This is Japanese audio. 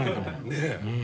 ねえ。